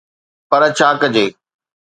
پر ڇا ڪجي؟